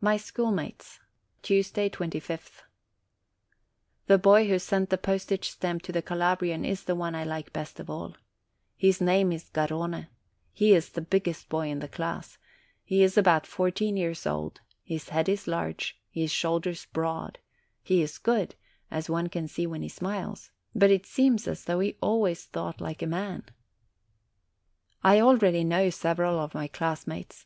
MY SCHOOLMATES Tuesday, 25th. The boy who sent the postage stamp to the Cala brian is the one I like best of all. His name is Garrone : he is the biggest boy in the class; he is about fourteen years old ; his head is large, his shoulders broad ; he is good, as one can see when he smiles; but it seems as though he always thought like a man. I already know io OCTOBER several of my classmates.